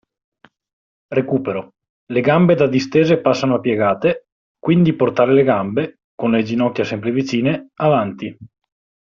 Recupero: le gambe da distese passano a piegate, quindi portare le gambe, con le ginocchia sempre vicine, avanti.